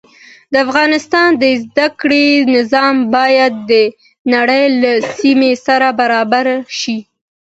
د افغانستان د زده کړې نظام باید د نړۍ له سيستم سره برابر شي.